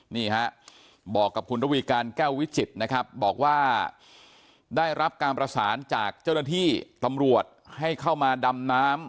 นี่ฮะบอกกับคุณระวีการแก้ววิจิตรนะครับบอกว่าได้รับการประสานจากเจ้าหน้าที่ตำรวจให้เข้ามาดำน้ำ